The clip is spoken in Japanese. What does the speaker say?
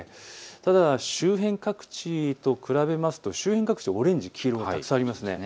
ただ周辺各地と比べると周辺各地はオレンジ、黄色がたくさんありますね。